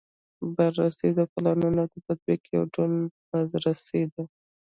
بررسي د پلانونو د تطبیق یو ډول بازرسي ده.